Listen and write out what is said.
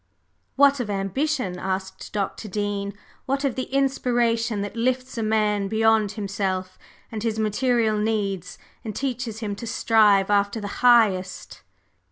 "What of ambition?" asked Dr. Dean. "What of the inspiration that lifts a man beyond himself and his material needs, and teaches him to strive after the Highest?"